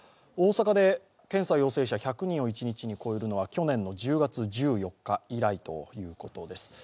大阪で検査陽性者１００人を一日に超えるのは、去年の１０月１４日以来ということです。